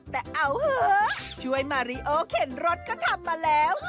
แต่เอาเหอะช่วยมาริโอเข็นรถเขาทำมาแล้ว